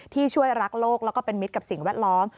ที่ช่วยรักโลกแล้วก็เป็นมิตรกับสิ่งแวดล้อม